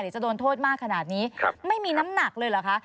จะโดนโทษมากขนาดนี้ไม่มีน้ำหนักเลยเหรอคะ